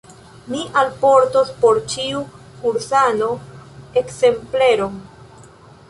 Mi alportos por ĉiu kursano ekzempleron.